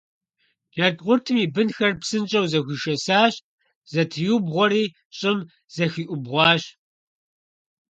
Джэдкъуртым и бынхэр псынщӀэу зэхуишэсащ, зэтриубгъуэри щӀым зэхиӀубгъуащ.